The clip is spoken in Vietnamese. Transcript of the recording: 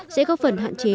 sẽ góp phần hạn chế